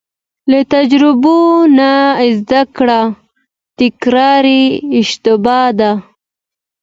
له تجربو نه زده کړه تکراري اشتباه ده.